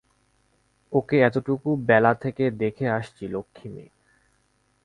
ওকে এতটুকু বেলা থেকে দেখে আসছি– লক্ষ্ণী মেয়ে।